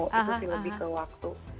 itu sih lebih ke waktu